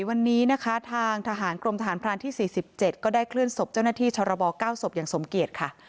วันนี้นะคะทางทหารกรมทหารพรานที่๔๗ก็ได้เคลื่อนศพเจ้าหน้าที่ชรบ๙ศพอย่างสมเกียจค่ะ